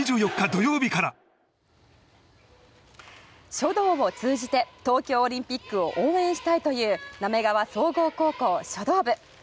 書道を通じて東京オリンピックを応援したいという滑川総合高校書道部。